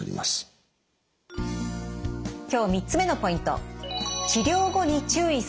今日３つ目のポイント。